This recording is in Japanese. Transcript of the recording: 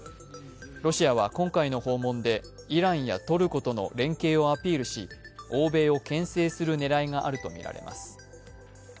ロシアは今回の訪問で、イランやトルコとの連携をアピールし欧米を牽制する狙いがあるとみられます。